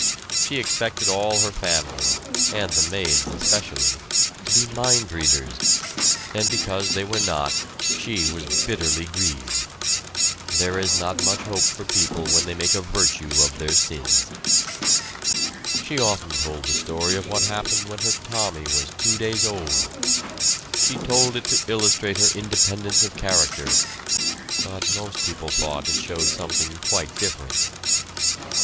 She expected all her family, and the maids especially, to be mind readers, and because they were not she was bitterly grieved. There is not much hope for people when they make a virtue of their sins. She often told the story of what happened when her Tommy was two days old. She told it to illustrate her independence of character, but most people thought it showed something quite different. Mr.